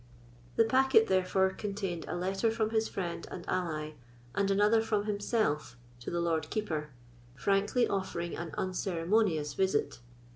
The packet, therefore, contained a letter from his friend and ally, and another from himself, to the Lord Keeper, frankly offering an unceremonious visit.